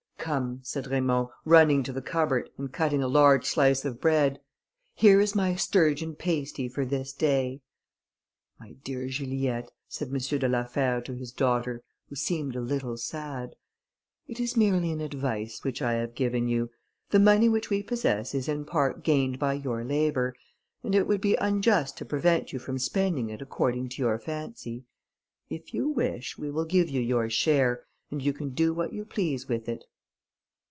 "Come," said Raymond, running to the cupboard, and cutting a large slice of bread, "here is my sturgeon pasty for this day." "My dear Juliette," said M. de la Fère to his daughter, who seemed a little sad, "it is merely an advice which I have given you. The money which we possess is in part gained by your labour, and it would be unjust to prevent you from spending it according to your fancy; if you wish; we will give you your share, and you can do what you please with it."